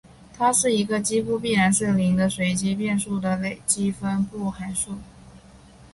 它是一个几乎必然是零的随机变数的累积分布函数。